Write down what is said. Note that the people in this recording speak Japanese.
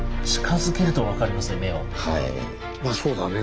まあそうだね。